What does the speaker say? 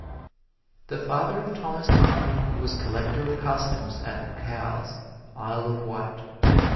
The father of Thomas Arnold was Collector of Customs at Cowes, Isle of Wight.